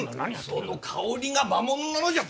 その香りが魔物なのじゃ。